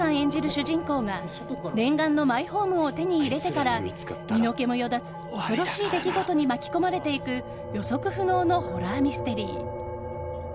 主人公が念願のマイホームを手に入れてから、身の毛もよだつ恐ろしい出来事に巻き込まれていく予測不能のホラーミステリー。